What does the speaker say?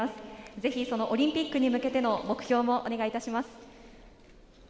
ぜひオリンピックに向けて目標もお願いします。